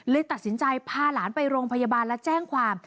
ตัดสินใจพาหลานไปโรงพยาบาลและแจ้งความ